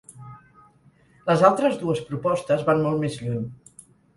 Les altres dues propostes van molt més lluny.